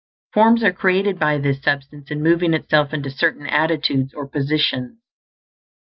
Forms are created by this substance in moving itself into certain attitudes or positions.